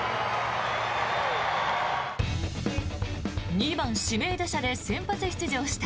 ２番指名打者で先発出場した